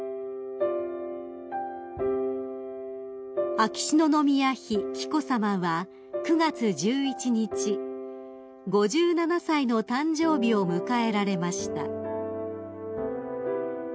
［秋篠宮妃紀子さまは９月１１日５７歳の誕生日を迎えられました］